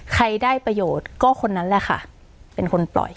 ใครได้ประโยชน์ก็คนนั้นแหละค่ะเป็นคนปล่อย